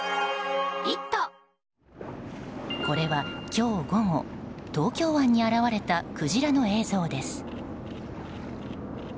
これは今日午後東京湾に現れたクジラの映像です。